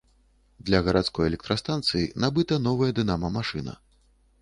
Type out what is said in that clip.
Для гарадской электрастанцыі набыта новая дынама-машына.